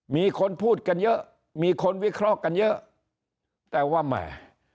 มีคนพูดกันเยอะมีคนวิเคราะห์กันเยอะแต่ว่าแหม